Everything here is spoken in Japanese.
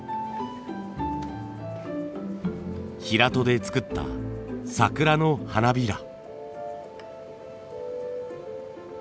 ヒラトで作った桜の花びら。